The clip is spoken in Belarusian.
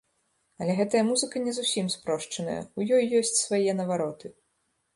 Але гэтая музыка не зусім спрошчаная, ў ёй ёсць свае навароты.